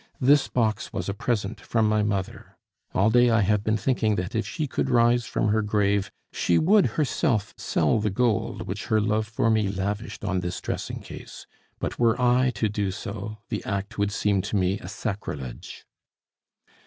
This box was a present from my mother. All day I have been thinking that if she could rise from her grave, she would herself sell the gold which her love for me lavished on this dressing case; but were I to do so, the act would seem to me a sacrilege."